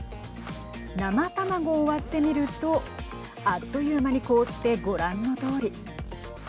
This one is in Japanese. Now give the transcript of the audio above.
生卵を割ってみるとあっという間に凍ってご覧のとおり。